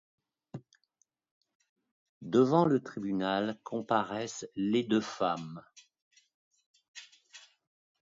Devant le tribunal, comparaissent les deux femmes.